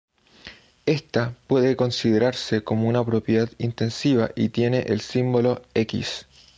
Ésta puede considerarse como una propiedad intensiva y tiene el símbolo "x".